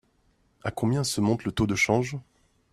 À combien se monte le taux de change ?